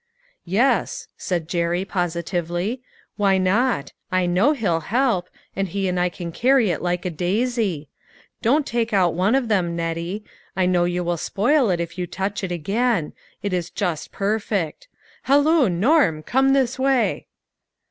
" Yes," said Jerry, positively. " Why not ? I know he'll help ; and he and I can carry it like a daisy. Don't take out one of them, Nettie. I know you will spoil it if you touch it again ; it is just perfect. Halloo, Norm, come this way."